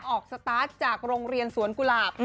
สตาร์ทจากโรงเรียนสวนกุหลาบ